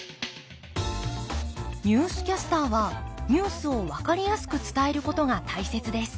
ニュースキャスターはニュースを分かりやすく伝えることが大切です。